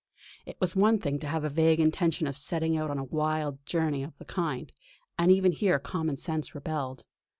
It was one thing to have a vague intention of setting out on a wild journey of the kind, and even here common sense rebelled.